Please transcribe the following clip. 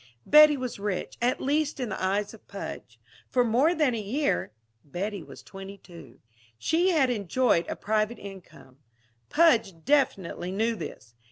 Betty was rich, at least in the eyes of Pudge. For more than a year (Betty was twenty two) she had enjoyed a private income. Pudge definitely knew this.